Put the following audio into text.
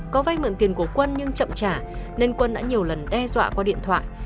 có vay mượn tiền của quân nhưng chậm trả nên quân đã nhiều lần đe dọa qua điện thoại